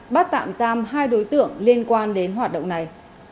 bắt tạm giam hai đối tượng liên quan đến hoạt động này